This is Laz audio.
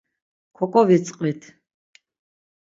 Koǩovitzqvit.